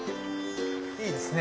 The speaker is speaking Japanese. いいですね。